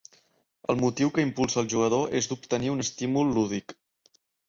El motiu que impulsa el jugador és d'obtenir un estímul lúdic.